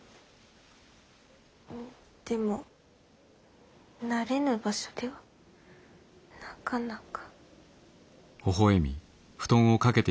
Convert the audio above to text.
んでも慣れぬ場所ではなかなか。